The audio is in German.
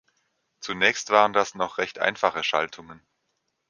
Zunächst waren das noch recht einfache Schaltungen.